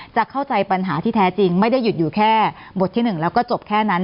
จะเข้าใจปัญหาที่แท้จริงไม่ได้หยุดอยู่แค่บทที่๑แล้วก็จบแค่นั้น